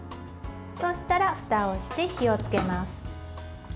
そうしたらふたをして火をつけます。